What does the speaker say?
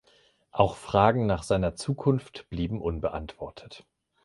Auch Fragen nach seiner Zukunft blieben unbeantwortet.